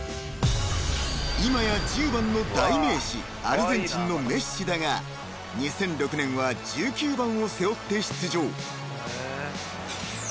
アルゼンチンのメッシだが２００６年は１９番を背負って出場］